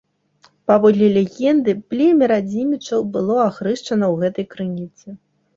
Паводле легенды племя радзімічаў было ахрышчана ў гэтай крыніцы.